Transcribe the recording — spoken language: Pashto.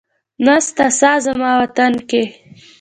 نسته ساه زما وطن کي